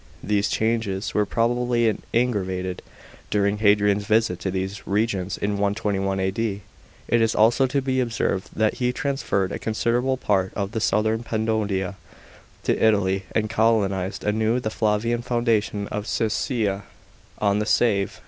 Th< se changes were probably inangvrated during Hadrian's visit to these regions in 121 A.D. It is also to be observed that he transferred a considerable part of southern PauDonia to Italy : and colonised anew the Flavian foundation of Siscia on the Save.